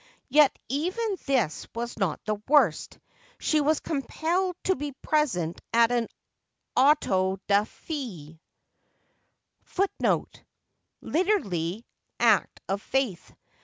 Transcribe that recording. Yet even this was not the worst. She was compelled to be present at an auto da fe,^ celebrated * Literally, act of faith.